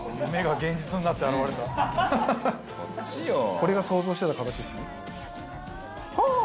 これが想像してた形ですね。